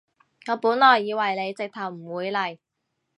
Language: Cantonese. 我本來以為你直頭唔會嚟